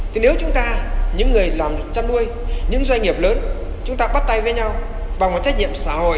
thì nếu chúng ta những người làm chăn nuôi những doanh nghiệp lớn chúng ta bắt tay với nhau bằng một trách nhiệm xã hội